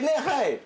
はい。